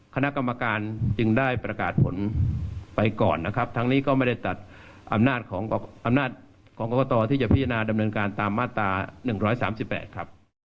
คณะกรรมการจึงได้ประกาศผลไปก่อนนะครับทั้งนี้ก็ไม่ได้ตัดอำนาจของอำนาจของกรกตที่จะพิจารณาดำเนินการตามมาตรา๑๓๘ครับ